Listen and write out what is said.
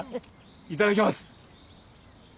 いただきます。